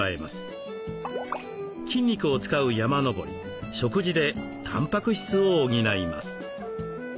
筋肉を使う山登り食事でたんぱく質を補います。